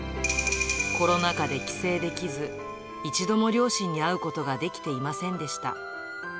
コロナ禍で帰省できず、一度も両親に会うことができていませんでした。